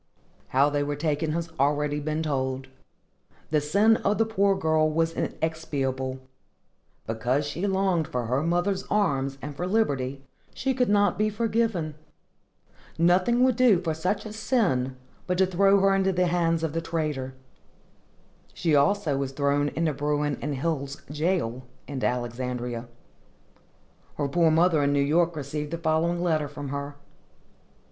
How they were taken has already been told. The sin of the poor girl was inexpiable. Because she longed for her mother's arms and for liberty, she could not be forgiven. Nothing would do for such a sin, but to throw her into the hands of the trader. She also was thrown into Bruin & Hill's jail, in Alexandria. Her poor mother in New York received the following letter from her.